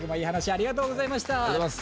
ありがとうございます。